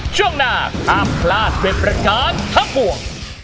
ช่วงหน้าห้ามพลาดด้วยประการทั้งบ่วง